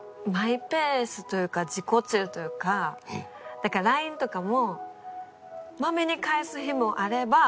なんかＬＩＮＥとかも。